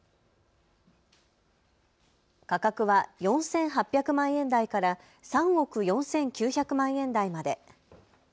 価格は４８００万円台から３億４９００万円台まで。